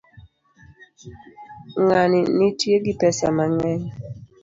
Ngani nitie gi pesa mangeny